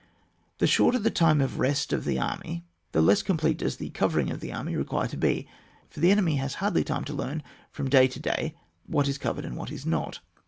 The shorter the time of rest of the army, the less complete does the covering of the army require to be, for the enemy has hardly time to learn from day to day what is covered and what is not.